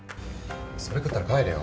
それ食ったら帰れよ。